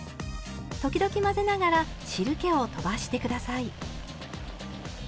時々混ぜながら汁けをとばして下さい。